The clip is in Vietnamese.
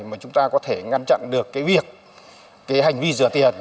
mà chúng ta có thể ngăn chặn được việc hành vi rửa tiền